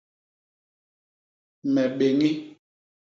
Me béñi.